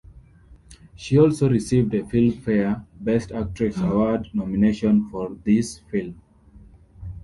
She also received a Filmfare Best Actress Award nomination for this film.